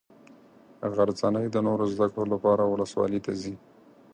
غرڅنۍ د نورو زده کړو لپاره ولسوالي ته ځي.